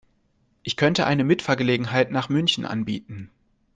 Ich könnte eine Mitfahrgelegenheit nach München anbieten